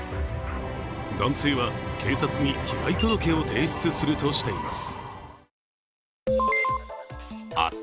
男性は警察に被害届を提出するとしています。